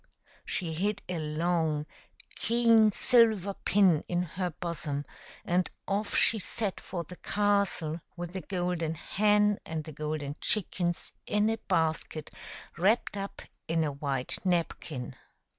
She hid a long, keen silver pin in her bosom, and off she set for the castle with the golden hen and the golden chickens in a basket wrapped up in a white napkin.